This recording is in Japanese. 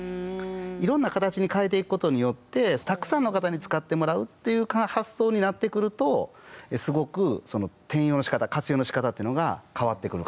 いろんな形に変えていくことによってたくさんの方に使ってもらうっていう発想になってくるとすごく転用のしかた活用のしかたっていうのが変わってくるのかなと。